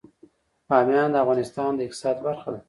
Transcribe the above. بامیان د افغانستان د اقتصاد برخه ده.